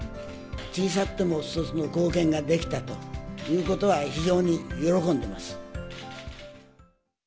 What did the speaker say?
小さくても一つの貢献ができたということは、非常に喜んでます。